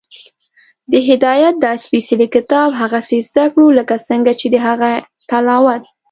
د هدایت دا سپېڅلی کتاب هغسې زده کړو، لکه څنګه چې د هغه تلاوت